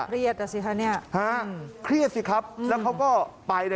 อ่ะสิคะเนี่ยฮะเครียดสิครับแล้วเขาก็ไปนะ